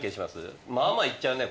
まあまあいっちゃうね